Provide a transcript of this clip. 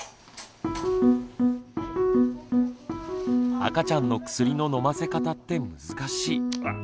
赤ちゃんの薬の飲ませ方って難しい。